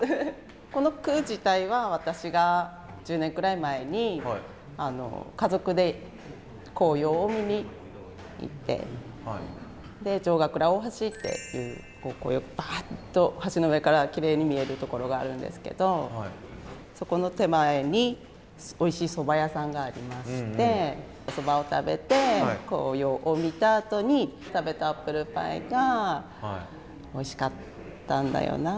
この句自体は私が１０年くらい前に家族で紅葉を見に行ってで城ヶ倉大橋っていう紅葉をバーッと橋の上からきれいに見えるところがあるんですけどそこの手前においしいそば屋さんがありましてそばを食べて紅葉を見たあとに食べたアップルパイがおいしかったんだよな。